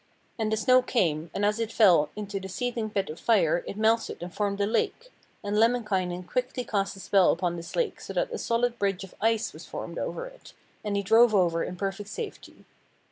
And the snow came and as it fell into the seething pit of fire it melted and formed a lake; and Lemminkainen quickly cast a spell upon this lake so that a solid bridge of ice was formed over it, and he drove over in perfect safety.